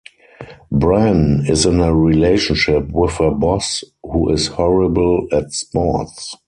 Bran is in a relationship with her boss, who is horrible at sports.